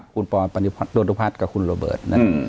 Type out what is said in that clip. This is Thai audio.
คุณปรมาทโรนโอมภัยกับคุณโลเบิร์ต